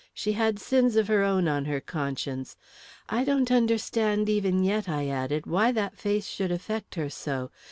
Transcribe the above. "She had sins of her own on her conscience. I don't understand even yet," I added, "why that face should affect her so.